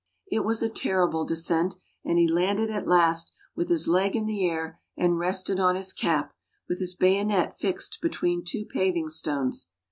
It was a terrific descent, and he landed at last, with his leg in the air, and rested on his cap, with his bayonet fixed between two paving stones.